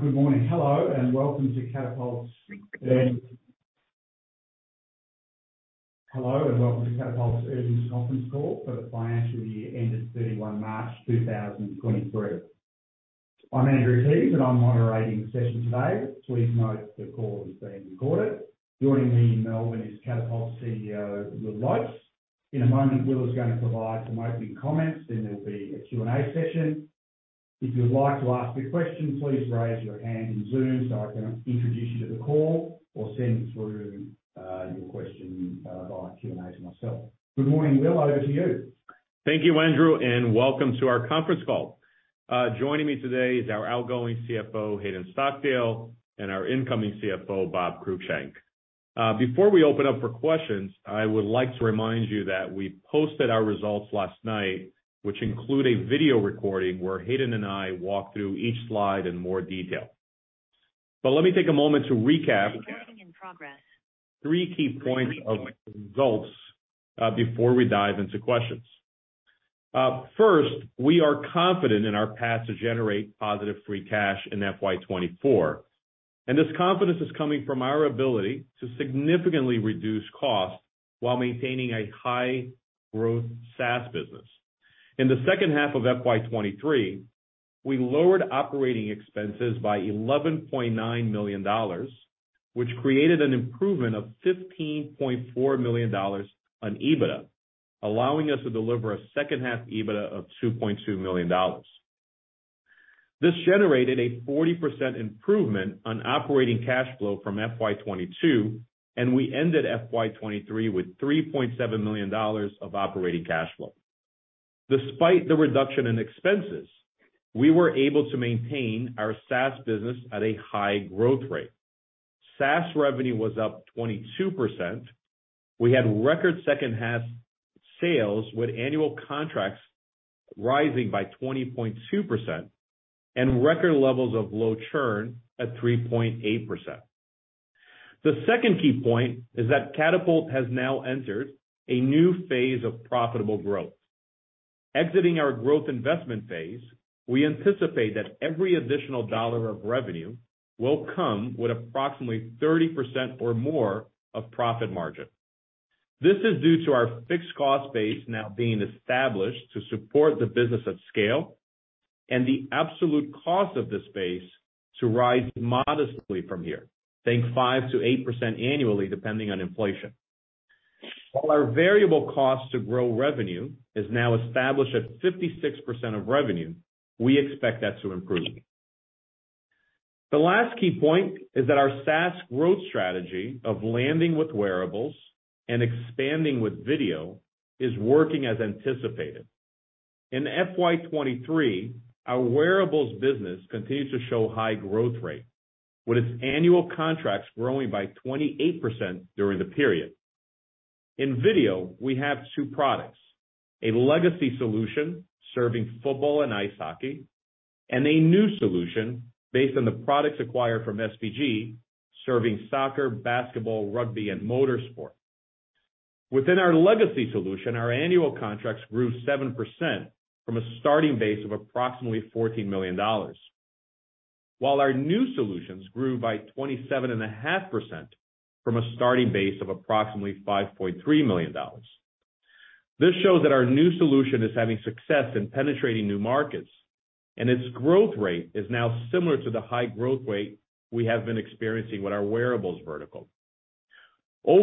Right. Good morning. Hello, and welcome to Catapult's Earnings Conference Call for the financial year ended 31 March 2023. I'm Andrew Keys, and I'm moderating the session today. Please note the call is being recorded. Joining me in Melbourne is Catapult CEO, Will Lopes. In a moment, Will is gonna provide some opening comments, then there'll be a Q&A session. If you'd like to ask a question, please raise your hand in Zoom, so I can introduce you to the call or send through your question via Q&A to myself. Good morning, Will. Over to you. Thank you, Andrew, and welcome to our conference call. Joining me today is our outgoing CFO, Hayden Stockdale, and our incoming CFO, Bob Cruickshank. Before we open up for questions, I would like to remind you that we posted our results last night, which include a video recording where Hayden and I walk through each slide in more detail. Let me take a moment to recap three key points of results before we dive into questions. First, we are confident in our path to generate positive free cash in FY 2024. This confidence is coming from our ability to significantly reduce costs while maintaining a high-growth SaaS business. In the second half of FY23, we lowered operating expenses by $11.9 million, which created an improvement of $15.4 million on EBITDA, allowing us to deliver a second-half EBITDA of $2.2 million. This generated a 40% improvement on operating cash flow from FY 2022. We ended FY 2023 with $3.7 million of operating cash flow. Despite the reduction in expenses, we were able to maintain our SaaS business at a high growth rate. SaaS revenue was up 22%. We had record second-half sales, with annual contracts rising by 20.2% and record levels of low churn at 3.8%. The second key point is that Catapult has now entered a new phase of profitable growth. Exiting our growth investment phase, we anticipate that every additional AUD 1 of revenue will come with approximately 30% or more of profit margin. This is due to our fixed cost base now being established to support the business at scale, and the absolute cost of this base to rise modestly from here. Think 5%-8% annually, depending on inflation. While our variable cost to grow revenue is now established at 56% of revenue, we expect that to improve. The last key point is that our SaaS growth strategy of landing with wearables and expanding with video is working as anticipated. In FY 2023, our wearables business continues to show high growth rate, with its annual contracts growing by 28% during the period. In video, we have two products: a legacy solution serving football and ice hockey, and a new solution based on the products acquired from SBG, serving soccer, basketball, rugby, and motorsport. Within our legacy solution, our annual contracts grew 7% from a starting base of approximately 14 million dollars. Our new solutions grew by 27.5% from a starting base of approximately 5.3 million dollars. This shows that our new solution is having success in penetrating new markets, its growth rate is now similar to the high growth rate we have been experiencing with our wearables vertical. FY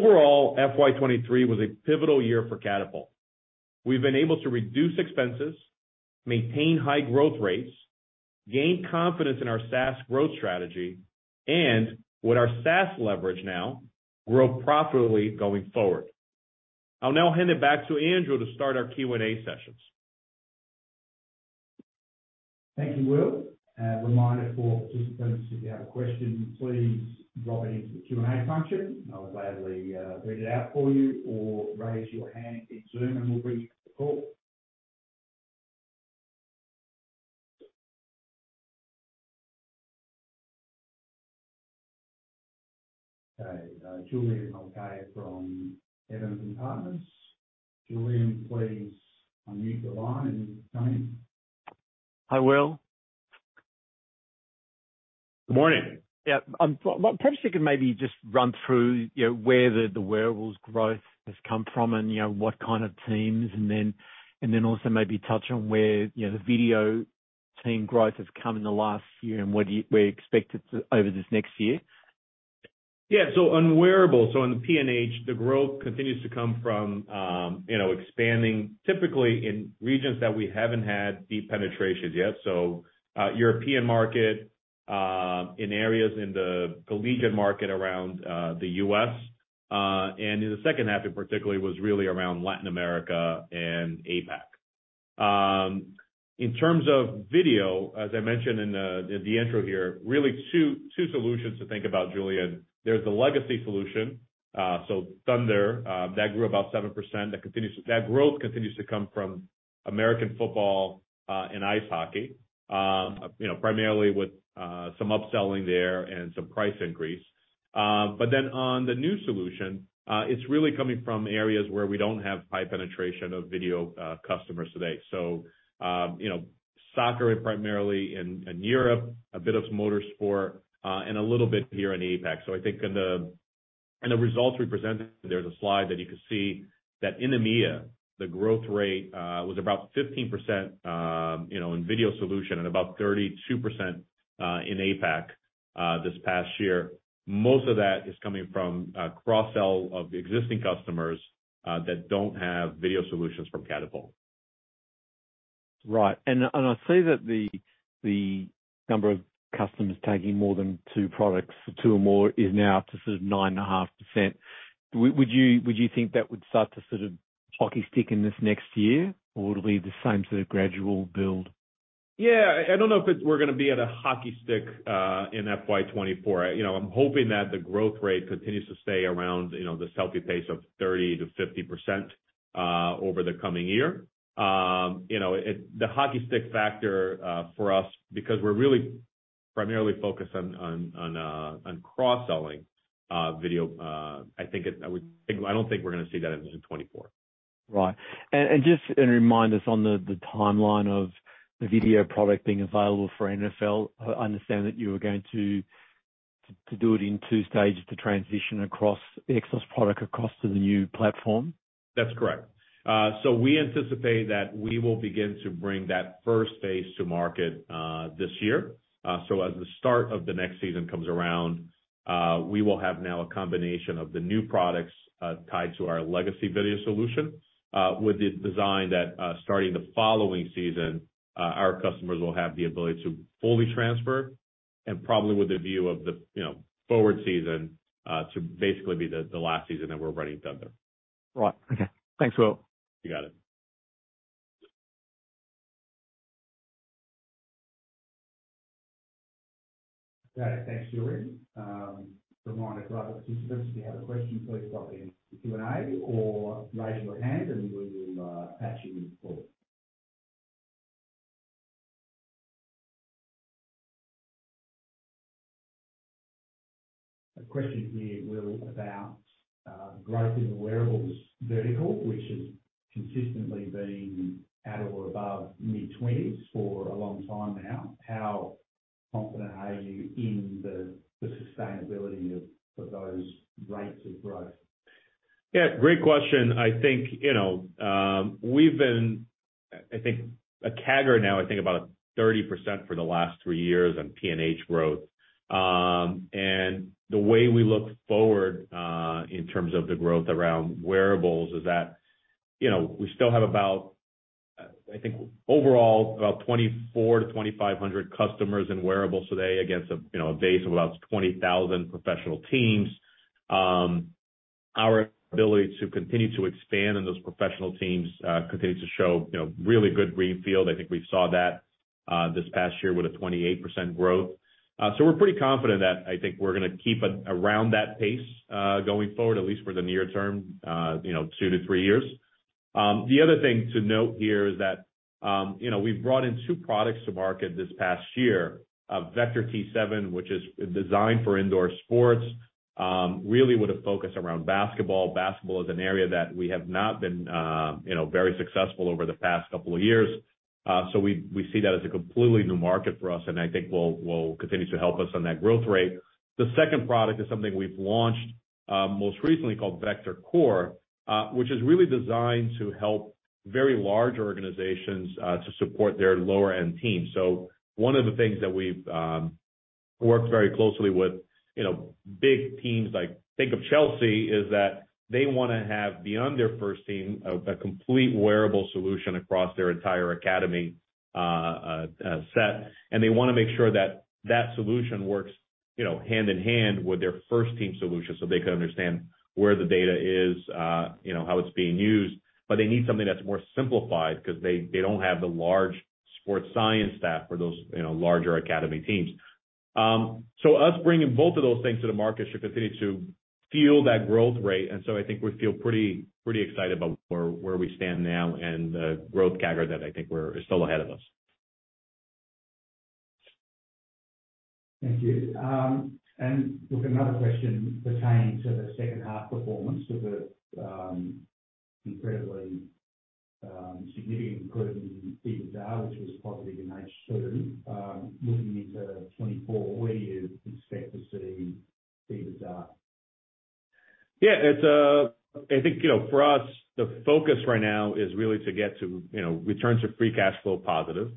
2023 was a pivotal year for Catapult. We've been able to reduce expenses, maintain high growth rates, gain confidence in our SaaS growth strategy, and with our SaaS leverage now grow profitably going forward. I'll now hand it back to Andrew to start our Q&A sessions. Thank you, Will. A reminder for participants, if you have a question, please drop it into the Q&A function. I'll gladly read it out for you, or raise your hand in Zoom, and we'll bring you to the call. Okay, Julian Mulcahy from Evans & Partners. Julian, please unmute your line and come in. Hi, Will. Good morning. Yeah. Perhaps you can maybe just run through, you know, where the wearables growth has come from and, you know, what kind of teams, and then also maybe touch on where, you know, the video team growth has come in the last year and where you expect it to over this next year. On wearables, on the P&H, the growth continues to come from, you know, expanding typically in regions that we haven't had deep penetration yet. European market, in areas in the collegiate market around the U.S., and in the second half in particularly was really around Latin America and APAC. In terms of video, as I mentioned in the intro here, really two solutions to think about, Julian. There's the legacy solution, Thunder, that grew about 7%. That growth continues to come from American football, and ice hockey, you know, primarily with some upselling there and some price increase. On the new solution, it's really coming from areas where we don't have high penetration of video, customers today. You know, soccer primarily in Europe, a bit of motorsport, and a little bit here in APAC. I think in the results we presented, there's a slide that you can see that in EMEA, the growth rate was about 15%, you know, in video solution and about 32% in APAC this past year. Most of that is coming from cross-sell of existing customers that don't have video solutions from Catapult. Right. I see that the number of customers taking more than two products, two or more, is now up to sort of 9.5%. Would you think that would start to sort of hockey stick in this next year or will it be the same sort of gradual build? Yeah. I don't know if we're gonna be at a hockey stick in FY 2024. You know, I'm hoping that the growth rate continues to stay around, you know, this healthy pace of 30%-50% over the coming year. You know, the hockey stick factor for us because we're really primarily focused on cross-selling video, I don't think we're gonna see that in 2024. Right. And remind us on the timeline of the video product being available for NFL. I understand that you were going to do it in two stages to transition across the XOS product across to the new platform? That's correct. We anticipate that we will begin to bring that first phase to market this year. As the start of the next season comes around, we will have now a combination of the new products tied to our legacy video solution with the design that, starting the following season, our customers will have the ability to fully transfer and probably with the view of the, you know, forward season, to basically be the last season that we're running Thunder. Right. Okay. Thanks, Will. You got it. Okay. Thanks, Julian. Remind our other participants, if you have a question, please drop in the Q&A or raise your hand, and we will patch you in for a question here, Will, about growth in the wearables vertical, which has consistently been at or above mid-twenties for a long time now. How confident are you in the sustainability of those rates of growth? Yeah, great question. I think, you know, we've been, I think a CAGR now, I think about 30% for the last three years on P&H growth. The way we look forward, in terms of the growth around wearables is that, you know, we still have about, I think overall about 2,400-2,500 customers in wearables today against, you know, a base of about 20,000 professional teams. Our ability to continue to expand in those professional teams, continues to show, you know, really good greenfield. I think we saw that, this past year with a 28% growth. We're pretty confident that, I think, we're gonna keep at around that pace, going forward, at least for the near term, you know, two to three years. The other thing to note here is that we've brought in two products to market this past year. Vector T7, which is designed for indoor sports, really with a focus around basketball. Basketball is an area that we have not been very successful over the past couple of years. We see that as a completely new market for us, and I think will continue to help us on that growth rate. The second product is something we've launched most recently called Vector Core, which is really designed to help very large organizations to support their lower-end teams. One of the things that we've worked very closely with, you know, big teams like think of Chelsea, is that they wanna have beyond their first team a complete wearable solution across their entire academy set. They wanna make sure that that solution works, you know, hand in hand with their first team solution so they can understand where the data is, you know, how it's being used. They need something that's more simplified 'cause they don't have the large sports science staff for those, you know, larger academy teams. Us bringing both of those things to the market should continue to fuel that growth rate. I think we feel pretty excited about where we stand now and the growth CAGR that I think is still ahead of us. Thank you. Another question pertaining to the second half performance with the incredibly significant improvement in EBITDA, which was positive in H2. Looking into 2024, where do you expect to see EBITDA? I think, you know, for us the focus right now is really to get to, you know, return to free cash flow positive.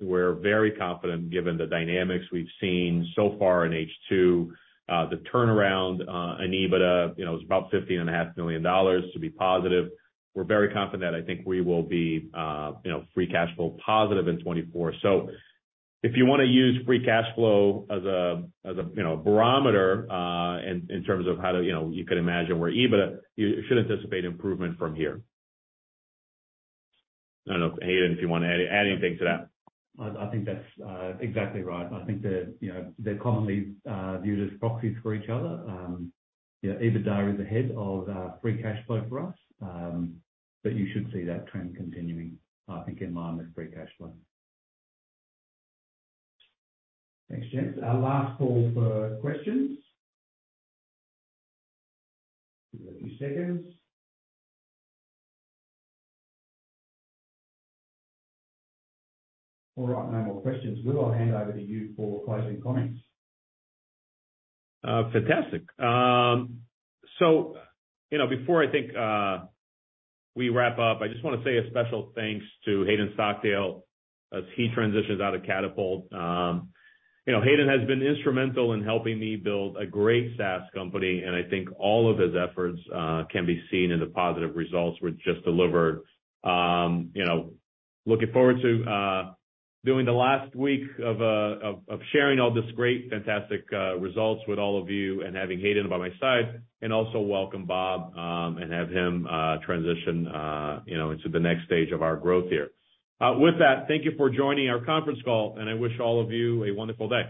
We're very confident given the dynamics we've seen so far in H2. The turnaround in EBITDA, you know, is about $50.5 million to be positive. We're very confident, I think we will be, you know, free cash flow positive in 2024. If you wanna use free cash flow as a, you know, barometer in terms of how to, you know, you can imagine where EBITDA, you should anticipate improvement from here. I don't know if, Hayden, if you want to add anything to that. I think that's exactly right. I think they're, you know, they're commonly viewed as proxies for each other. You know, EBITDA is ahead of free cash flow for us. You should see that trend continuing, I think, in line with free cash flow. Thanks, gents. Our last call for questions. Give it a few seconds. All right. No more questions. Will, I'll hand over to you for closing comments. Fantastic. You know, before I think we wrap up, I just wanna say a special thanks to Hayden Stockdale as he transitions out of Catapult. You know, Hayden has been instrumental in helping me build a great SaaS company, and I think all of his efforts can be seen in the positive results we've just delivered. You know, looking forward to doing the last week of sharing all this great, fantastic, results with all of you and having Hayden by my side, and also welcome Bob and have him transition, you know, into the next stage of our growth here. Thank you for joining our conference call, and I wish all of you a wonderful day.